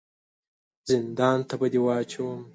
زندان ته به دي واچوم !